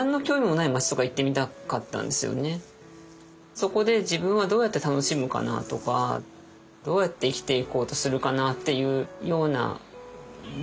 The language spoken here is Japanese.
そこで自分はどうやって楽しむかなとかどうやって生きていこうとするかなっていうような妄想があって。